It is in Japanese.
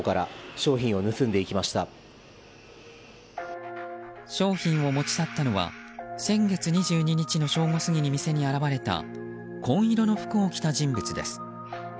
商品を持ち去ったのは先月２２日の正午過ぎに店に現れた紺色の服を着た人物です。